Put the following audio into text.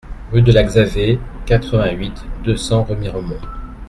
Rue de la Xavée, quatre-vingt-huit, deux cents Remiremont